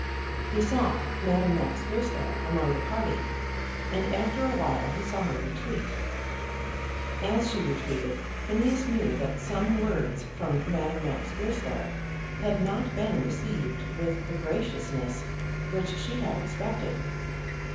He saw Madame Max Goesler among the party, and after a while he saw her retreat. As she retreated, Phineas knew that some words from Madame Max Goesler had not been received with the graciousness which she had expected.